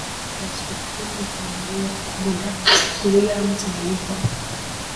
Wasukuma kuanzia Igunga na Nzega ama mchanganyiko kama Uyuihii ni mikoa asili ambayo